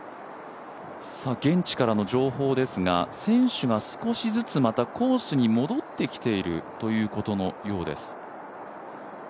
現地からの情報ですが、選手が少しずつまたコースに戻ってきているということのようです。